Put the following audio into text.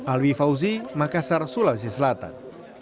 alwi fauzi makassar sulawesi selatan